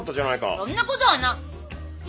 そんなことはな！